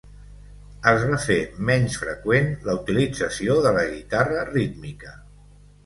Es va fer menys freqüent la utilització de la guitarra rítmica.